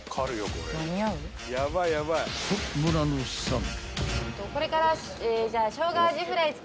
［と村野さん］